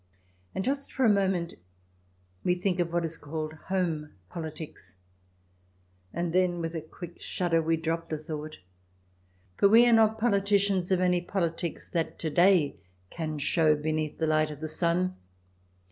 And just for a moment we think of what is called home politics, and then, with a quick shudder, we drop the thought. For we are not politicians of any politics that to day can show beneath the light of the sun.